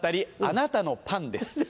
「あなたのパンです」。